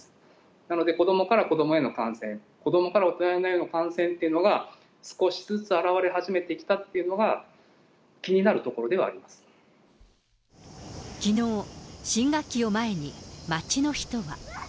なので子どもから子どもへの感染、子どもから大人への感染っていうのが、少しずつ表れ始めてきたっていうのが、気になるところではきのう、新学期を前に街の人は。